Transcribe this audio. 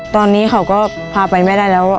ตอนนี้เขาก็พาไปไม่ได้แล้ว